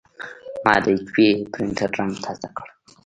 ما د ایچ پي پرنټر رنګ تازه کړ.